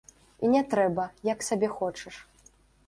І не трэба, як сабе хочаш.